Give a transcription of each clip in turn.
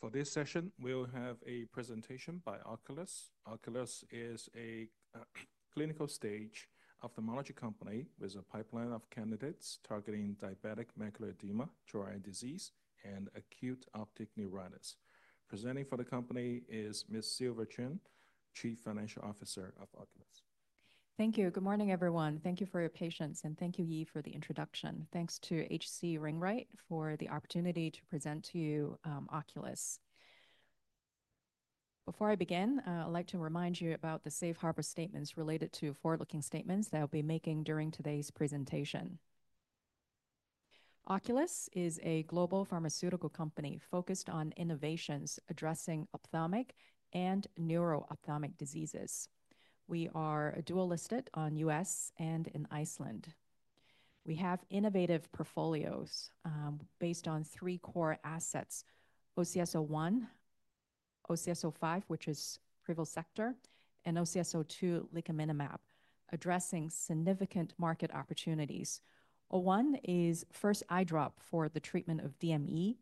For this session, we'll have a presentation by Oculis. Oculis is a clinical stage ophthalmology company with a pipeline of candidates targeting diabetic macular edema, dry eye disease, and acute optic neuritis. Presenting for the company is Ms. Sylvia Cheung, Chief Financial Officer of Oculis. Thank you. Good morning, everyone. Thank you for your patience, and thank you, Yi, for the introduction. Thanks to H.C. Wainwright for the opportunity to present to you Oculis. Before I begin, I'd like to remind you about the safe harbor statements related to forward-looking statements that I'll be making during today's presentation. Oculis is a global pharmaceutical company focused on innovations addressing ophthalmic and neuro-ophthalmic diseases. We are dual-listed on the U.S. and in Iceland. We have innovative portfolios based on three core assets: OCS-01, OCS-05, which is Privosegtor, and OCS-02, Licaminlimab, addressing significant market opportunities. OCS-01 is the first eye drop for the treatment of DME.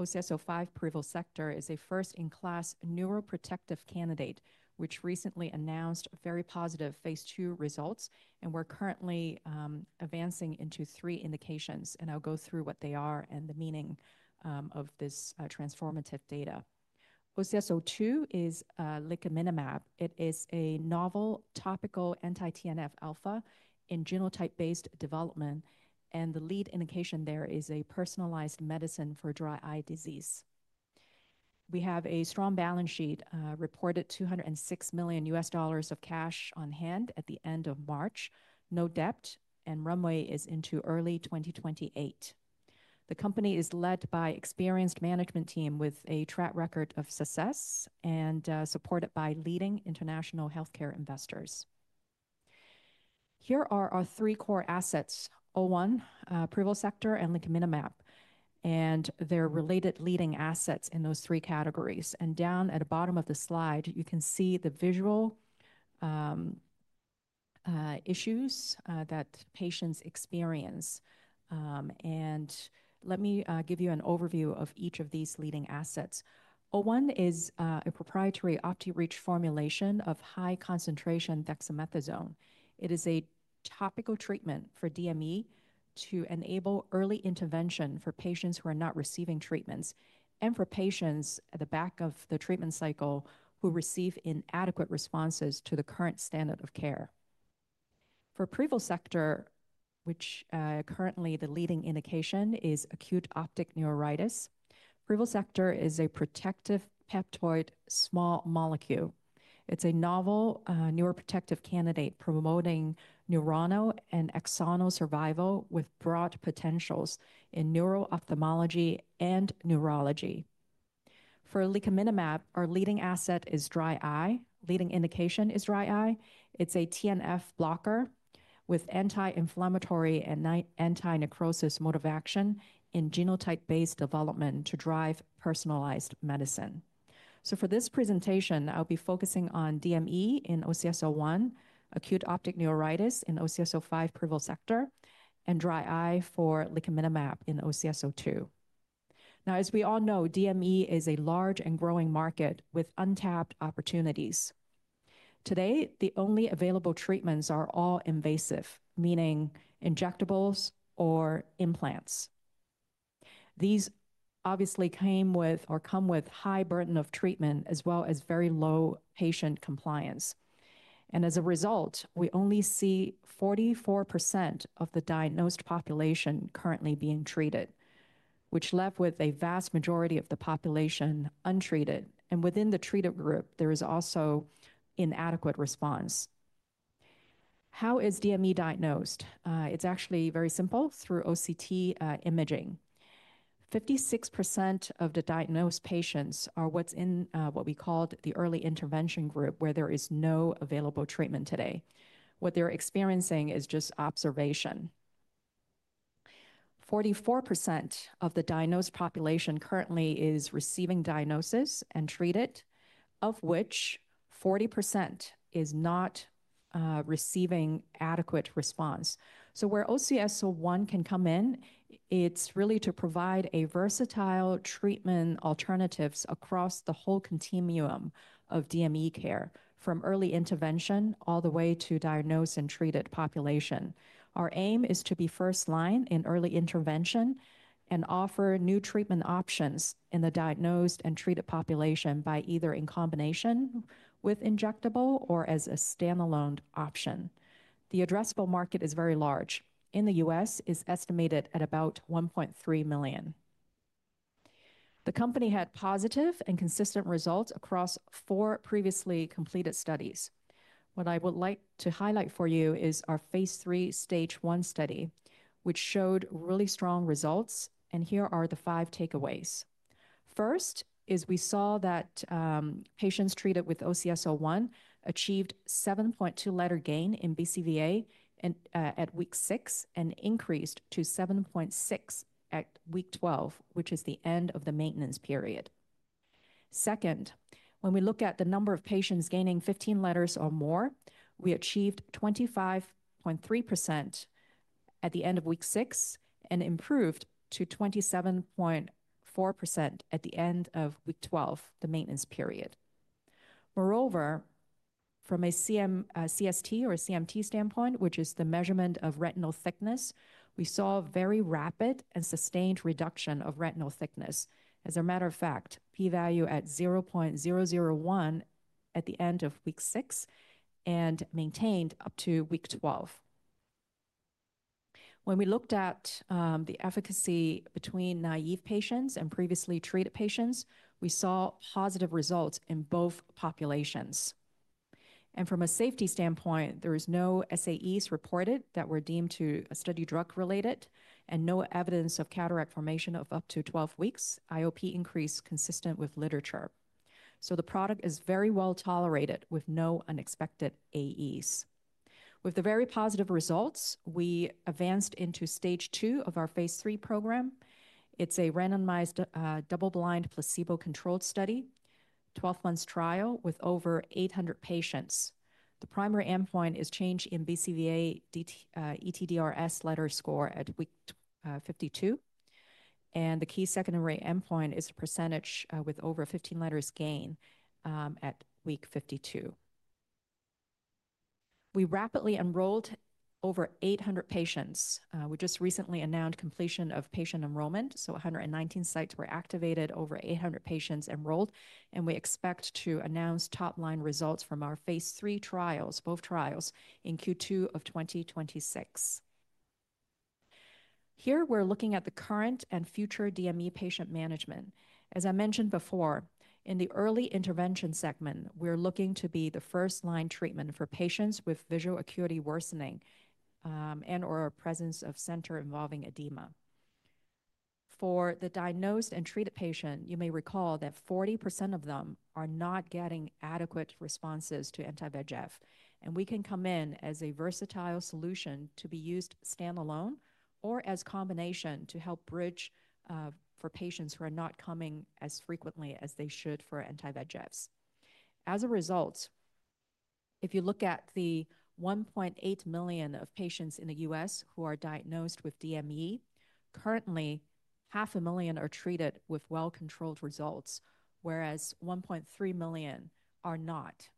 OCS-05, Privosegtor, is a first-in-class neuroprotective candidate, which recently announced very positive phase two results, and we're currently advancing into three indications. I will go through what they are and the meaning of this transformative data. OCS-02 is Licaminlimab. It is a novel topical anti-TNFα in genotype-based development, and the lead indication there is a personalized medicine for dry eye disease. We have a strong balance sheet, reported $206 million of cash on hand at the end of March, no debt, and runway is into early 2028. The company is led by an experienced management team with a track record of success and supported by leading international healthcare investors. Here are our three core assets: O-01, Privosegtor, and Licaminlimab, and their related leading assets in those three categories. Down at the bottom of the slide, you can see the visual issues that patients experience. Let me give you an overview of each of these leading assets. O-01 is a proprietary optic reach formulation of high-concentration Dexamethasone. It is a topical treatment for DME to enable early intervention for patients who are not receiving treatments and for patients at the back of the treatment cycle who receive inadequate responses to the current standard of care. For Privosegtor, which currently the leading indication is acute optic neuritis, Privosegtor is a protective peptoid small molecule. It's a novel neuroprotective candidate promoting neuronal and axonal survival with broad potentials in neuro-ophthalmology and neurology. For Licaminlimab, our leading asset is dry eye. The leading indication is dry eye. It's a TNF blocker with anti-inflammatory and anti-necrosis mode of action in genotype-based development to drive personalized medicine. For this presentation, I'll be focusing on DME in OCS-01, acute optic neuritis in OCS-05, Privosegtor, and dry eye for Licaminlimab in OCS-02. Now, as we all know, DME is a large and growing market with untapped opportunities. Today, the only available treatments are all invasive, meaning injectables or implants. These obviously come with a high burden of treatment as well as very low patient compliance. As a result, we only see 44% of the diagnosed population currently being treated, which left a vast majority of the population untreated. Within the treated group, there is also inadequate response. How is DME diagnosed? It's actually very simple: through OCT imaging. 56% of the diagnosed patients are in what we call the early intervention group, where there is no available treatment today. What they're experiencing is just observation. 44% of the diagnosed population currently is receiving diagnosis and treated, of which 40% is not receiving adequate response. Where OCS-01 can come in, it's really to provide versatile treatment alternatives across the whole continuum of DME care, from early intervention all the way to diagnosed and treated population. Our aim is to be first line in early intervention and offer new treatment options in the diagnosed and treated population by either in combination with injectable or as a standalone option. The addressable market is very large. In the U.S., it is estimated at about 1.3 million. The company had positive and consistent results across four previously completed studies. What I would like to highlight for you is our phase III stage one study, which showed really strong results. Here are the five takeaways. First is we saw that patients treated with OCS-01 achieved 7.2 letter gain in BCVA at week six and increased to seven point six at week 12, which is the end of the maintenance period. Second, when we look at the number of patients gaining 15 letters or more, we achieved 25.3% at the end of week six and improved to 27.4% at the end of week 12, the maintenance period. Moreover, from a CST or CMT standpoint, which is the measurement of retinal thickness, we saw very rapid and sustained reduction of retinal thickness. As a matter of fact, p-value at 0.001 at the end of week six and maintained up to week 12. When we looked at the efficacy between naive patients and previously treated patients, we saw positive results in both populations. From a safety standpoint, there are no SAEs reported that were deemed to study drug-related, and no evidence of cataract formation of up to 12 weeks, IOP increase consistent with letter chart. The product is very well tolerated with no unexpected AEs. With the very positive results, we advanced into stage two of our phase III program. It's a randomized double-blind placebo-controlled study, 12-month trial with over 800 patients. The primary endpoint is change in BCVA ETDRS letter score at week 52. The key secondary endpoint is a percentage with over 15 letters gain at week 52. We rapidly enrolled over 800 patients. We just recently announced completion of patient enrollment, so 119 sites were activated, over 800 patients enrolled. We expect to announce top-line results from our phase III trials, both trials in Q2 of 2026. Here we're looking at the current and future DME patient management. As I mentioned before, in the early intervention segment, we're looking to be the first-line treatment for patients with visual acuity worsening and/or presence of center-involving edema. For the diagnosed and treated patient, you may recall that 40% of them are not getting adequate responses to anti-VEGF. We can come in as a versatile solution to be used standalone or as a combination to help bridge for patients who are not coming as frequently as they should for anti-VEGFs. As a result, if you look at the 1.8 million patients in the U.S. who are diagnosed with DME, currently 500,000 are treated with well-controlled results, whereas 1.3 million are not.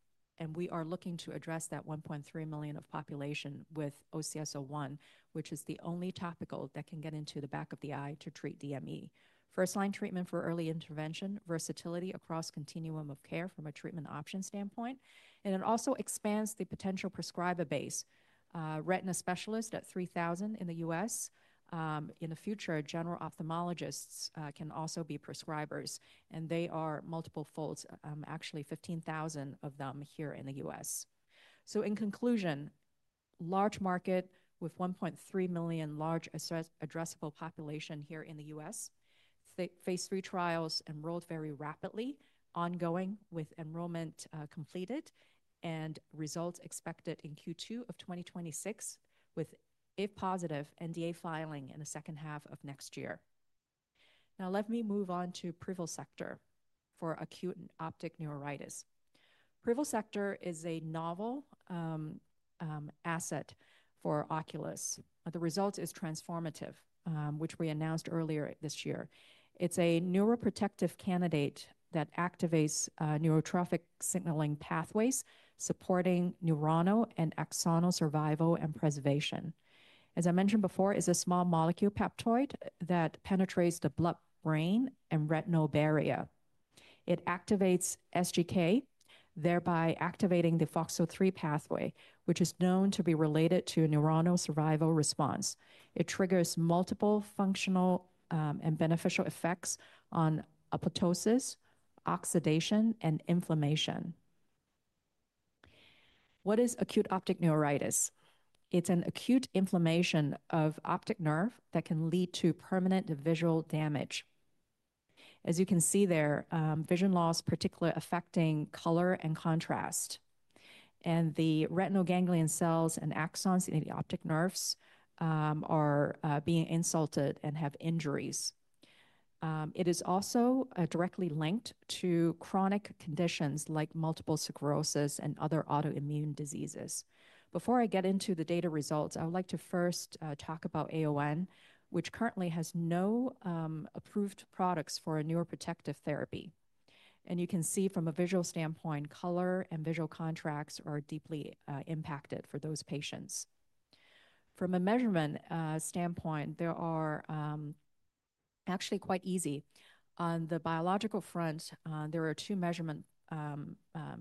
We are looking to address that 1.3 million population with OCS-01, which is the only topical that can get into the back of the eye to treat DME. First-line treatment for early intervention, versatility across the continuum of care from a treatment option standpoint. It also expands the potential prescriber base. Retina specialists at 3,000 in the U.S. In the future, general ophthalmologists can also be prescribers. They are multiple folds, actually 15,000 of them here in the U.S. In conclusion, large market with 1.3 million large addressable population here in the U.S. phase III trials enrolled very rapidly, ongoing with enrollment completed and results expected in Q2 of 2026 with, if positive, NDA filing in the second half of next year. Now let me move on to Privosegtor for acute optic neuritis. Privosegtor is a novel asset for Oculis. The result is transformative, which we announced earlier this year. It's a neuroprotective candidate that activates neurotrophic signaling pathways supporting neuronal and axonal survival and preservation. As I mentioned before, it's a small molecule peptoid that penetrates the blood, brain, and retinal barrier. It activates SGK, thereby activating the FOXO3 pathway, which is known to be related to neuronal survival response. It triggers multiple functional and beneficial effects on apoptosis, oxidation, and inflammation. What is Acute Optic Neuritis? It's an acute inflammation of the optic nerve that can lead to permanent visual damage. As you can see there, vision loss is particularly affecting color and contrast. The retinal ganglion cells and axons in the optic nerves are being insulted and have injuries. It is also directly linked to chronic conditions like multiple sclerosis and other autoimmune diseases. Before I get into the data results, I would like to first talk about AON, which currently has no approved products for a Neuroprotective Therapy. You can see from a visual standpoint, color and visual contrast are deeply impacted for those patients. From a measurement standpoint, they are actually quite easy. On the biological front, there are two measurement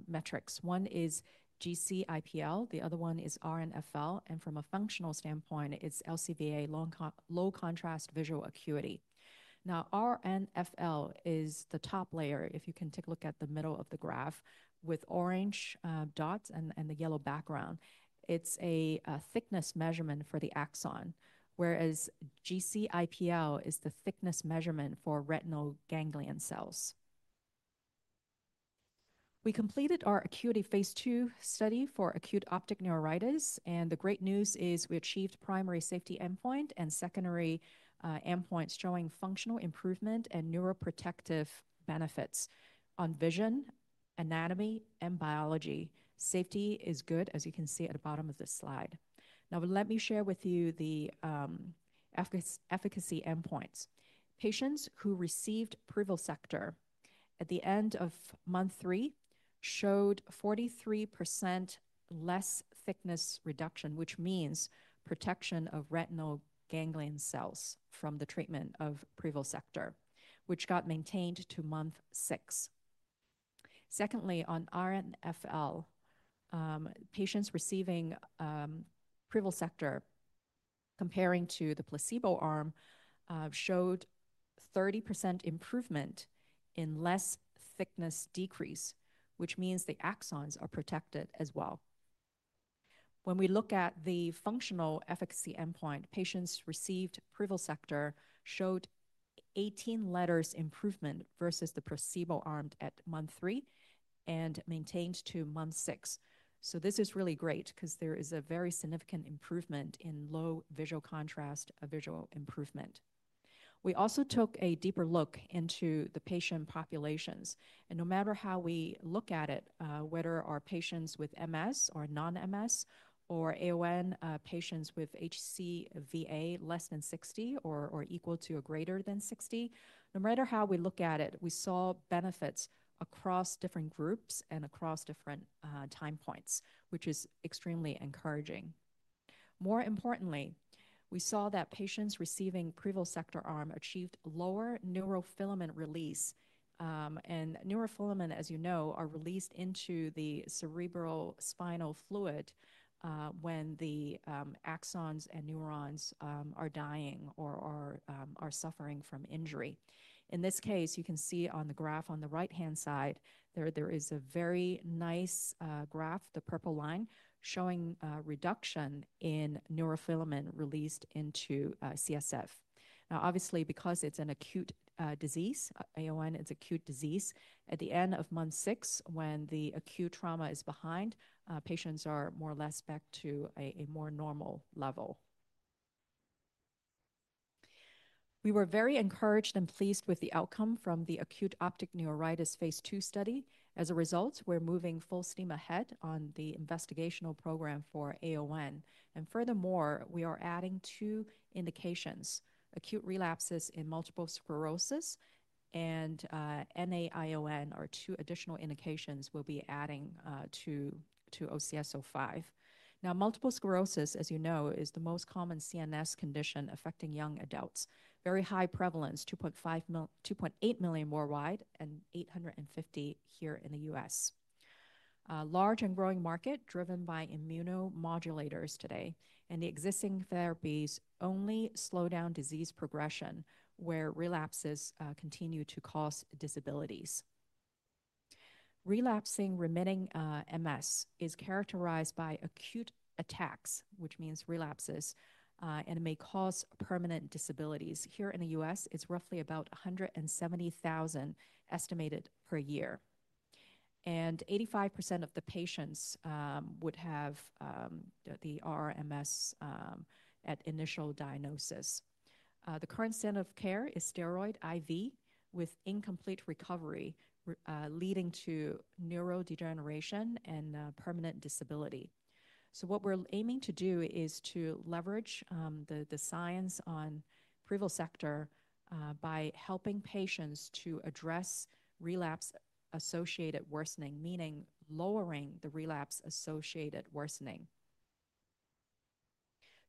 metrics. One is GCIPL. The other one is RNFL. From a functional standpoint, it's LCVA, Low Contrast Visual Acuity. Now, RNFL is the top layer, if you can take a look at the middle of the graph with orange dots and the yellow background. It's a thickness measurement for the axon, whereas GCIPL is the thickness measurement for retinal ganglion cells. We completed our acuity phase two study for acute optic neuritis. The great news is we achieved primary safety endpoint and secondary endpoint showing functional improvement and neuroprotective benefits on vision, anatomy, and biology. Safety is good, as you can see at the bottom of this slide. Now, let me share with you the efficacy endpoints. Patients who received Privosegtor at the end of month three showed 43% less thickness reduction, which means protection of retinal ganglion cells from the treatment of Privosegtor, which got maintained to month six. Secondly, on RNFL, patients receiving Privosegtor comparing to the placebo arm showed 30% improvement in less thickness decrease, which means the axons are protected as well. When we look at the functional efficacy endpoint, patients received Privosegtor showed 18 letters improvement versus the placebo arm at month three and maintained to month six. This is really great because there is a very significant improvement in low visual contrast visual improvement. We also took a deeper look into the patient populations. No matter how we look at it, whether our patients with MS or non-MS or AON patients with HCVA less than 60 or equal to or greater than 60, no matter how we look at it, we saw benefits across different groups and across different time points, which is extremely encouraging. More importantly, we saw that patients receiving Privosegtor arm achieved lower neurofilament release. Neurofilament, as you know, are released into the cerebral spinal fluid when the axons and neurons are dying or are suffering from injury. In this case, you can see on the graph on the right-hand side, there is a very nice graph, the purple line, showing reduction in neurofilament released into CSF. Obviously, because it is an acute disease, AON is an acute disease, at the end of month six, when the acute trauma is behind, patients are more or less back to a more normal level. We were very encouraged and pleased with the outcome from the acute optic neuritis phase II study. As a result, we are moving full steam ahead on the investigational program for AON. Furthermore, we are adding two indications: acute relapses in multiple sclerosis and NAION are two additional indications we will be adding to OCS-05. Now, multiple sclerosis, as you know, is the most common CNS condition affecting young adults. Very high prevalence, 2.8 million worldwide and 850,000 here in the U.S. Large and growing market driven by immunomodulators today. The existing therapies only slow down disease progression where relapses continue to cause disabilities. Relapsing remaining MS is characterized by acute attacks, which means relapses, and may cause permanent disabilities. Here in the U.S., it is roughly about 170,000 estimated per year. 85% of the patients would have the RMS at initial diagnosis. The current standard of care is steroid IV with incomplete recovery leading to neurodegeneration and permanent disability. What we are aiming to do is to leverage the science on Privosegtor by helping patients to address relapse-associated worsening, meaning lowering the relapse-associated worsening.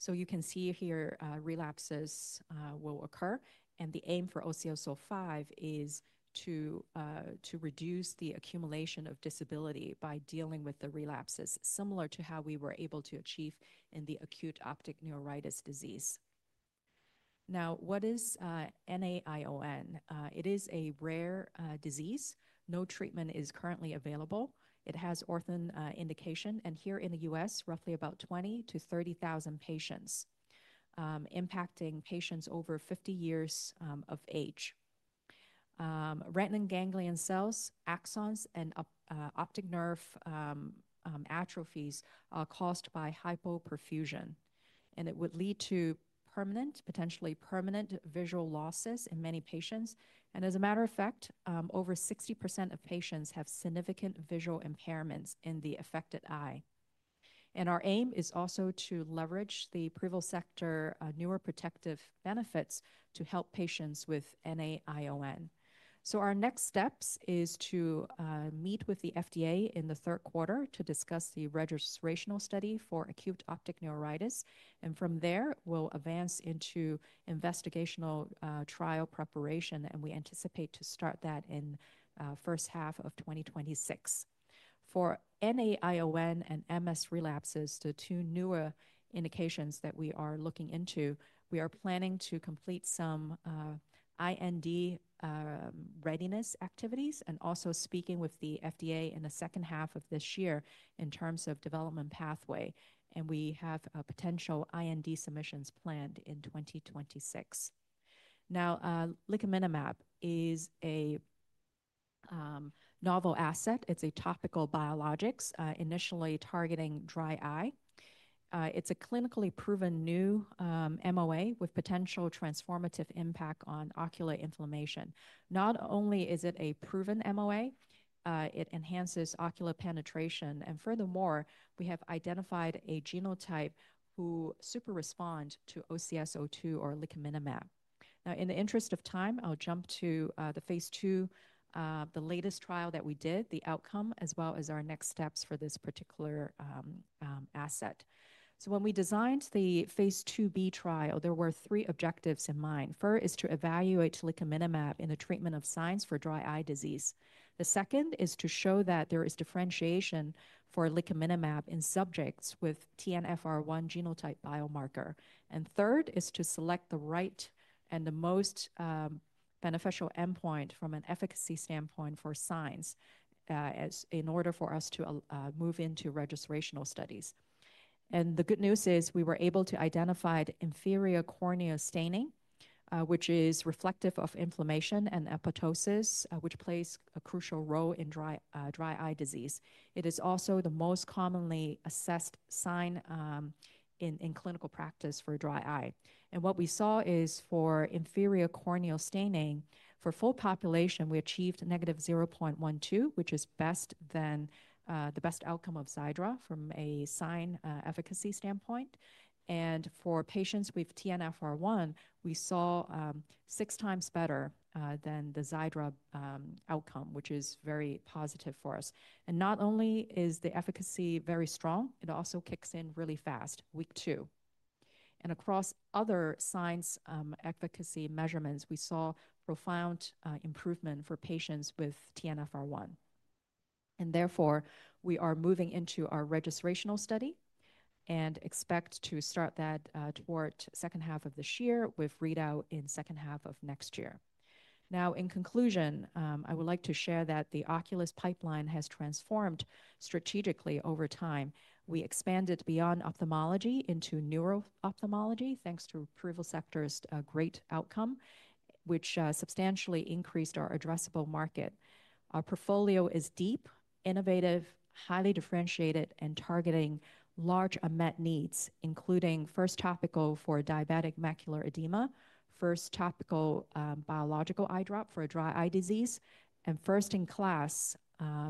You can see here, relapses will occur. The aim for OCS-05 is to reduce the accumulation of disability by dealing with the relapses, similar to how we were able to achieve in the acute optic neuritis disease. What is NAION? It is a rare disease. No treatment is currently available. It has orphan indication. Here in the U.S., roughly about 20,000-30,000 patients, impacting patients over 50 years of age. Retinal ganglion cells, axons, and optic nerve atrophies are caused by hypoperfusion. It would lead to permanent, potentially permanent visual losses in many patients. As a matter of fact, over 60% of patients have significant visual impairments in the affected eye. Our aim is also to leverage the Privosegtor neuroprotective benefits to help patients with NAION. Our next steps are to meet with the FDA in the third quarter to discuss the registration study for acute optic neuritis. From there, we'll advance into investigational trial preparation. We anticipate to start that in the first half of 2026. For NAION and MS relapses, the two newer indications that we are looking into, we are planning to complete some IND readiness activities and also speaking with the FDA in the second half of this year in terms of development pathway. We have potential IND submissions planned in 2026. Now, Licaminlimab is a novel asset. It's a topical biologic initially targeting dry eye. It's a clinically proven new MOA with potential transformative impact on ocular inflammation. Not only is it a proven MOA, it enhances ocular penetration. Furthermore, we have identified a genotype who super responds to OCS-02 or Licaminlimab. Now, in the interest of time, I'll jump to phase II, the latest trial that we did, the outcome, as well as our next steps for this particular asset. When we designed the phase 2b trial, there were three objectives in mind. First is to evaluate Licaminlimab in the treatment of signs for dry eye disease. The second is to show that there is differentiation for Licaminlimab in subjects with TNFR1 genotype biomarker. Third is to select the right and the most beneficial endpoint from an efficacy standpoint for signs in order for us to move into registrational studies. The good news is we were able to identify inferior cornea staining, which is reflective of inflammation and apoptosis, which plays a crucial role in dry eye disease. It is also the most commonly assessed sign in clinical practice for dry eye. What we saw is for inferior cornea staining, for full population, we achieved negative 0.12, which is better than the best outcome of Xiidra from a sign efficacy standpoint. For patients with TNFR1, we saw six times better than the Xiidra outcome, which is very positive for us. Not only is the efficacy very strong, it also kicks in really fast, week two. Across other signs efficacy measurements, we saw profound improvement for patients with TNFR1. Therefore, we are moving into our registrational study and expect to start that toward the second half of this year with readout in the second half of next year. In conclusion, I would like to share that the Oculis pipeline has transformed strategically over time. We expanded beyond ophthalmology into neuro-ophthalmology thanks to Privosegtor's great outcome, which substantially increased our addressable market. Our portfolio is deep, innovative, highly differentiated, and targeting large unmet needs, including first topical for diabetic macular edema, first topical biological eye drop for dry eye disease, and first in class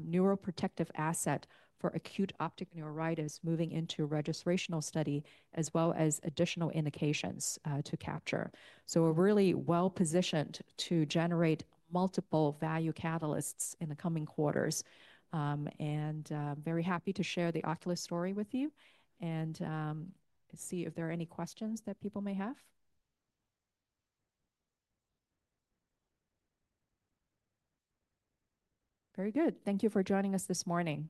neuroprotective asset for acute optic neuritis moving into registrational study, as well as additional indications to capture. We are really well positioned to generate multiple value catalysts in the coming quarters. I am very happy to share the Oculis story with you and see if there are any questions that people may have. Very good. Thank you for joining us this morning.